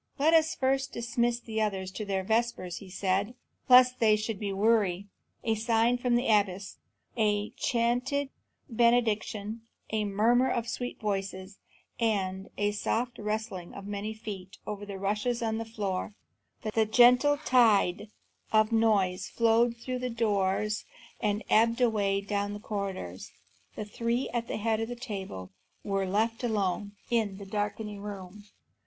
"Let us first dismiss the others to their vespers," said he, "lest they should be weary." A sign from the abbess; a chanted benediction; a murmuring of sweet voices and a soft rustling of many feet over the rushes on the floor; the gentle tide of noise flowed out through the doors and ebbed away down the corridors; the three at the head of the table were left alone in the darkening room.